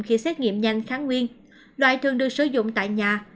khi xét nghiệm nhanh kháng nguyên loại thường được sử dụng tại nhà